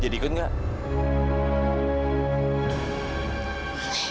dia diikut nggak